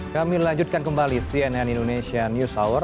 kami lanjutkan kembali cnn indonesia news hour